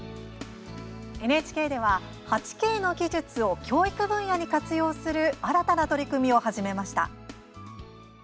ＮＨＫでは、８Ｋの技術を教育分野に活用する新たな取り組みを始めました。